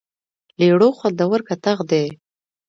لیړو خوندور کتغ دی.